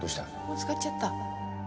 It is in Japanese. もう使っちゃった。